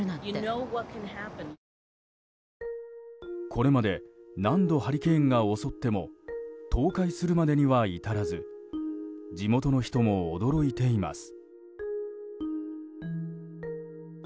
これまで何度ハリケーンが襲っても倒壊するまでには至らず地元の人も驚いています。